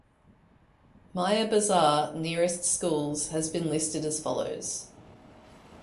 Maya Bazar nearest schools has been listed as follows.